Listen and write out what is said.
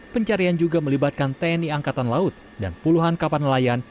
pencarian juga melibatkan tni angkatan laut dan puluhan kapal nelayan